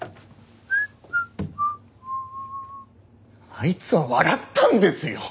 あいつは笑ったんですよ。